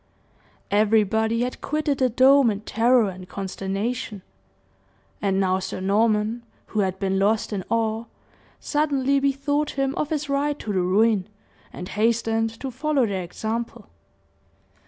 Everybody had quitted the dome in terror and consternation; and now Sir Norman, who had been lost in awe, suddenly bethought him of his ride to the ruin, and hastened to follow their example.